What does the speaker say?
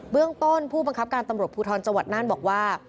เรื่องต้นผู้บังคับการตำรวจภูทรจังหวัดน่านบอกว่า